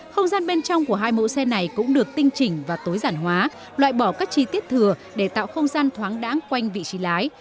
không gian bên trong của hai mẫu xe này cũng được tinh chỉnh và tối giản hóa loại bỏ các chi tiết thừa để tạo không gian thoáng đáng quanh vị trí lái